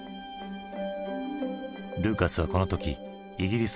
ルーカスはこの時イギリスにいた。